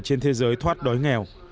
trên thế giới thoát đói nghèo